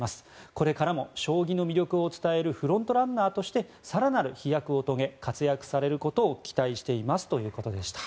これからも将棋の魅力を伝えるフロントランナーとして更なる飛躍を遂げ活躍させることを期待していますということでした。